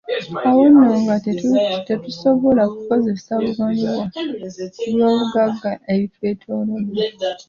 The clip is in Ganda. Awo nno nga tetusobola kukozesa bumanyi bwaffe ku by'obugagga ebitwetoolodde.